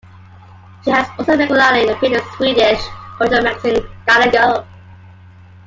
She has also regularly appeared in the Swedish cultural magazine "Galago".